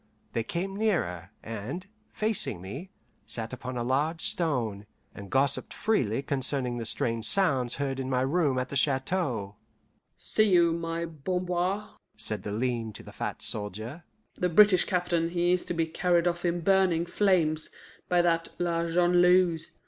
They came nearer, and, facing me, sat upon a large stone, and gossiped freely concerning the strange sounds heard in my room at the chateau. "See you, my Bamboir," said the lean to the fat soldier, "the British captain, he is to be carried off in burning flames by that La Jongleuse.